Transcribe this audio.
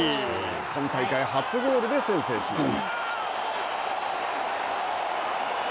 今大会初ゴールで先制します。